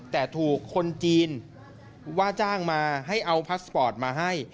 แต่ถูกคนจีนว่าจ้างมาให้เอาพาสปอร์ตมาให้